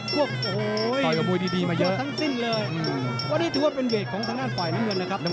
ไปน่ะ